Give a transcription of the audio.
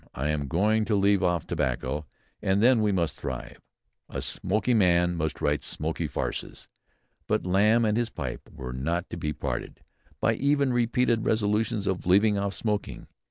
I am going to leave off tobacco, and then we must thrive. A smoky man must write smoky farces." But Lamb and his pipe were not to be parted by even repeated resolutions to leave off smoking.